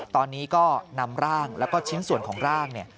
ตอนนี้ก็นำร่างแล้วก็ชิ้นส่วนของร่างเนี่ย